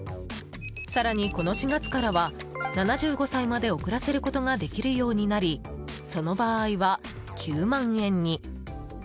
更に、この４月からは７５歳まで遅らせることができるようになりその場合は９万円に。